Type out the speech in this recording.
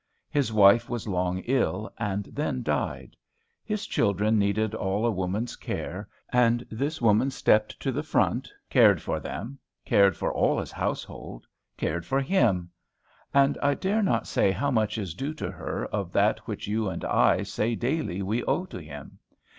His wife was long ill, and then died. His children needed all a woman's care; and this woman stepped to the front, cared for them, cared for all his household, cared for him: and I dare not say how much is due to her of that which you and I say daily we owe to him.